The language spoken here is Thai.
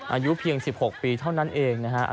อายุเพียง๑๖ปีเท่านั้นเองนะฮะ